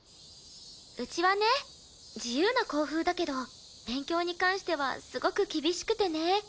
うちはね自由な校風だけど勉強に関してはすごく厳しくてね。